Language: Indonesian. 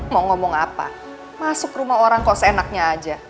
mau ngomong apa masuk rumah orang kok seenaknya aja